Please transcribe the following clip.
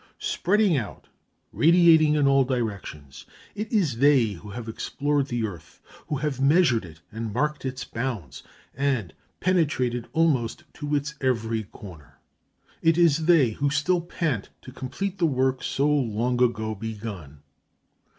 Spreading out, radiating in all directions, it is they who have explored the earth, who have measured it and marked its bounds and penetrated almost to its every corner. It is they who still pant to complete the work so long ago begun.